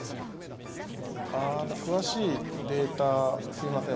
詳しいデータ、すいません